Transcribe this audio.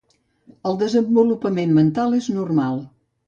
El desenvolupament mental és normal.